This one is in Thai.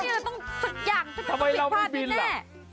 มันต้องมีอะไรต้องสักอย่างมันต้องมีอะไรผิดพลาดอย่างแน่